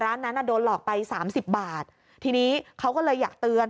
ร้านนั้นอ่ะโดนหลอกไปสามสิบบาททีนี้เขาก็เลยอยากเตือน